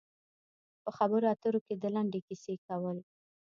په خبرو اترو کې د لنډې کیسې کول.